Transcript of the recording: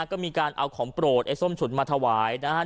ก็มีการเอาของโปรดไอ้ส้มฉุนมาถวายนะครับ